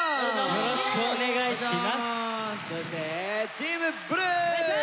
よろしくお願いします。